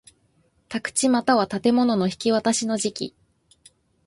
宅地又は建物の引渡しの時期